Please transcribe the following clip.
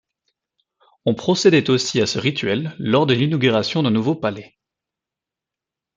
On procédait aussi à ce rituel lors de l'inauguration d'un nouveau palais.